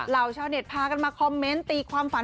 เหล่าชาวเน็ตพากันมาคอมเมนต์ตีความฝัน